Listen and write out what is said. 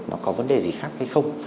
nó có vấn đề gì khác hay không